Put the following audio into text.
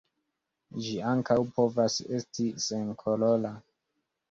Ĝi ankaŭ povas esti senkolora.